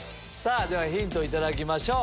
ではヒント頂きましょう。